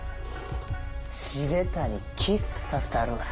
地べたにキスさせたるわ。